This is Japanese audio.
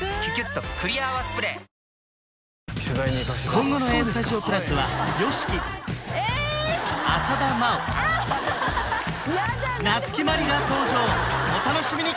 今後の「Ａ−ＳＴＵＤＩＯ＋」はＹＯＳＨＩＫＩ浅田真央夏木マリが登場お楽しみに！